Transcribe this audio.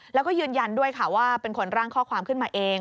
แล้วก็ยืนยันด้วยค่ะว่าเป็นคนร่างข้อความขึ้นมาเอง